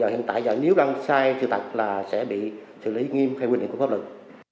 hiện tại giờ nếu đang sai sự thật là sẽ bị xử lý nghiêm theo quy định của pháp luật